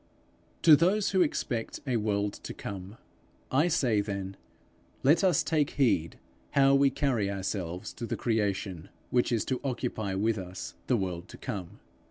To those who expect a world to come, I say then, Let us take heed how we carry ourselves to the creation which is to occupy with us the world to come.